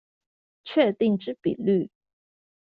確定之比率